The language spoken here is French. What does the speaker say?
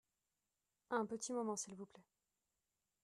Un petit moment s'il vous plait.